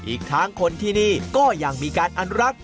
อีกทั้งคนที่นี่ก็ยังมีการอนุรักษ์